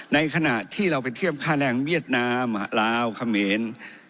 ในขณะที่เราไปเทียบค่าแรงเวียดนามลาวเขมร